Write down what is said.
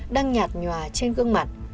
đang nhạt nhòa trên gương mặt